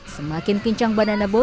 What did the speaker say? semakin kincang banana boat melaju